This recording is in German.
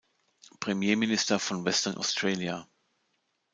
Premierminister von Western Australia.